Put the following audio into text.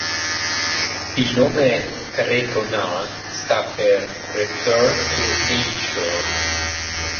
Il nome Retona sta per "Return to Nature".